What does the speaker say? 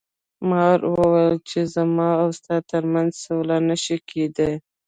مار وویل چې زما او ستا تر منځ سوله نشي کیدی.